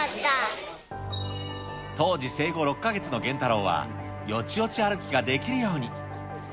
当時、生後６か月のゲンタロウは、よちよち歩きができるように。